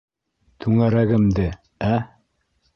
«Түңәрәгем»де, ә?!